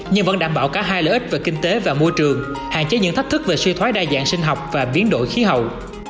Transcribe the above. nhưng vẫn đảm bảo cả hai lợi ích về kinh tế và môi trường hạn chế những thách thức về suy thoái đa dạng sinh học và biến đổi khí hậu